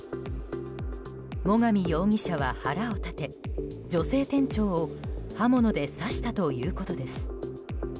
最上容疑者は腹を立て女性店長を刃物で刺したということです。